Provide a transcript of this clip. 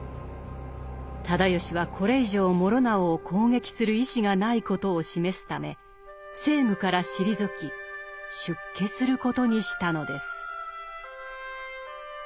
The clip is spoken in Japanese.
直義はこれ以上師直を攻撃する意思がないことを示すため政務から退き出家することにしたのです。